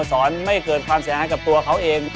และมันไม่เกินความสัยให้กับตัวเขาเอง